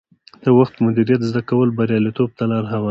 د وخت مدیریت زده کول بریالیتوب ته لار هواروي.